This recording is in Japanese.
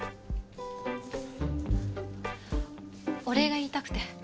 お礼が言いたくて。